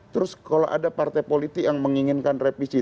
terus kalau ada partai politik yang menginginkan revisi